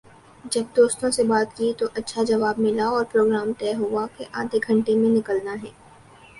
جب دوستوں سے بات کی تو اچھا جواب ملا اور پروگرام طے ہو گیا کہ آدھےگھنٹے میں نکلنا ہے ۔